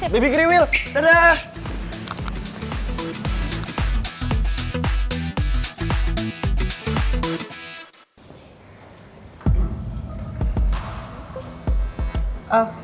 baby geriwil dadah